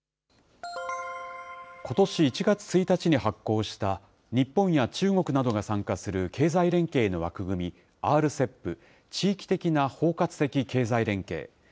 ことし１月１日に発効した、日本や中国などが参加する経済連携の枠組み、ＲＣＥＰ・地域的な包括的経済連携。